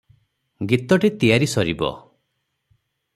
ଗୀତଟି ତିଆରି ସରିବ ।